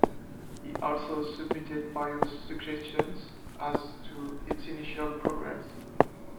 He also submitted various suggestions as to its initial programs.